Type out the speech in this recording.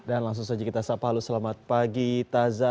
dan langsung saja kita sapalu selamat pagi taza